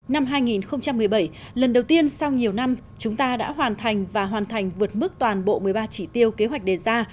năm hai nghìn một mươi bảy lần đầu tiên sau nhiều năm chúng ta đã hoàn thành và hoàn thành vượt mức toàn bộ một mươi ba chỉ tiêu kế hoạch đề ra